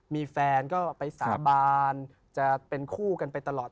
มีแฟนก็ไปสาบานจะเป็นคู่กันไปตลอด